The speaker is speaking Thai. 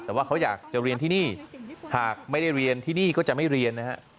แต่ว่าเขาอยากจะเรียนที่นี่หากไม่ได้เรียนที่นี่ก็จะไม่เรียนนะฮะ